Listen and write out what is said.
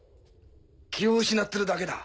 気を失ってるだけだ。